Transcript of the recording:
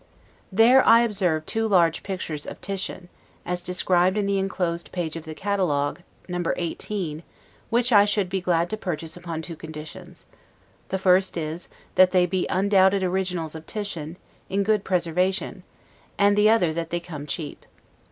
There I observe two large pictures of Titian, as described in the inclosed page of the catalogue, No. 18, which I should be glad to purchase upon two conditions: the first is, that they be undoubted originals of Titian, in good preservation; and the other that they come cheap.